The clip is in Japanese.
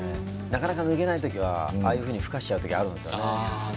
なかなか抜けない時はああいうふうにふかしちゃう時があるんですよね。